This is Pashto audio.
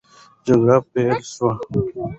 جګړه پیل سوه.